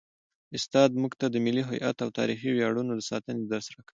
استاد موږ ته د ملي هویت او تاریخي ویاړونو د ساتنې درس راکوي.